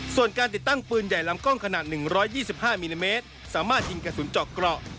ส่วนการติดตั้งปืนใหญ่ลำกล้องขนาดหนึ่งร้อยยี่สิบห้ามิลลิเมตรสามารถยิงกระสุนเจาะเกราะ